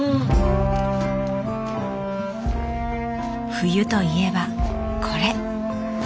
冬といえばこれ。